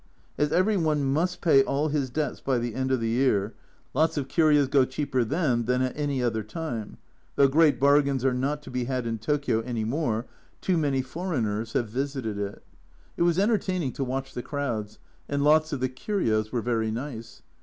As every one must pay all his debts by the end of the year, lots of curios go cheaper then than at any other time though great bargains are not to be had in Tokio any more, too many foreigners have 256 A Journal from Japan visited it. It was entertaining to watch the crowds, and lots of the curios were very nice.